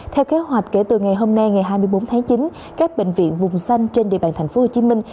theo kế hoạch kể từ ngày hôm nay ngày hai mươi bốn tháng chín các bệnh viện vùng xanh trên địa bàn thành phố hồ chí minh